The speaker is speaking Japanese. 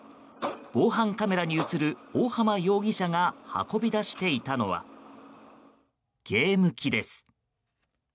防犯カメラに映る大浜容疑者が運び出していたのはゲーム機です。